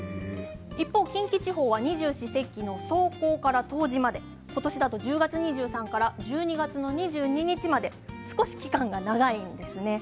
一方、近畿地方は二十四節気の霜降から冬至まで、今年だと１０月２３日から１２月の２２日まで、少し期間が長いですね。